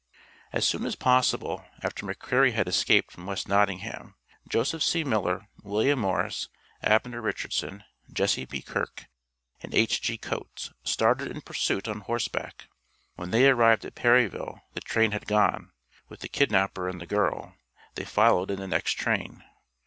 As soon as possible, after McCreary had escaped from West Nottingham, Joseph C. Miller, William Morris, Abner Richardson, Jesse B. Kirk, and H.G. Coates, started in pursuit on horseback; when they arrived at Perryville, the train had gone, with the kidnapper and the girl; they followed in the next train.